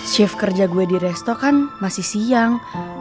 shift kerja gue di resto kan masih siang